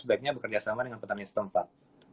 sebaiknya bekerjasama dengan petani setempat